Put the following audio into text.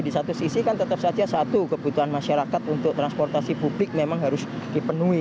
di satu sisi kan tetap saja satu kebutuhan masyarakat untuk transportasi publik memang harus dipenuhi